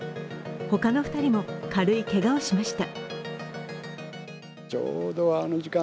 他の２人も軽いけがをしました。